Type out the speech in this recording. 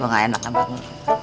gua gak enak nampak lu